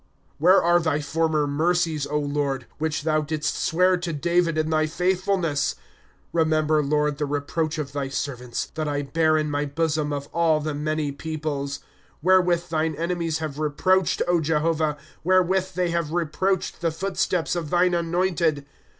Where are thy former mercies, Lord, Which thou didst swear to David in thy faithfulness ?*" Remember, Lord, the reproach of thy servants, That I bear in my bosom of ail the many peoples; *^ Wherewith thine enemies have reproached, O Jehovah, Wherewith they have reproached the footsteps of thine anointed.